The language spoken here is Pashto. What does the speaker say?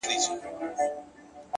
لوړ شخصیت له چلنده پېژندل کېږي.